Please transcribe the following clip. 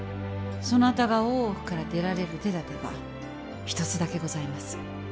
そなたが大奥から出られる手だてが一つだけございます。